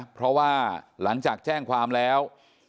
เพราะว่าหลังจากแจ้งความแล้ว